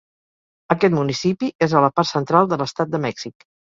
Aquest municipi és a la part central de l'estat de Mèxic.